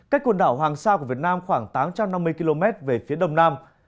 cách quần đảo hoàng sa của việt nam khoảng tám trăm năm mươi km về phía đông nam